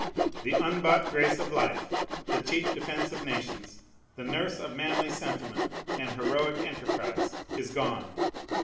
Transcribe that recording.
The unbought grace of life, the cheap defence of nations, the nurse of manly sentiment and heroic enterprise, is gone!